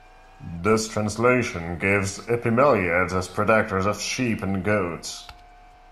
This translation gives Epimeliads as protectors of sheep and goats.